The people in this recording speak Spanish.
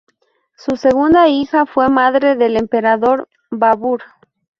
Su segunda hija fue madre del Emperador Babur.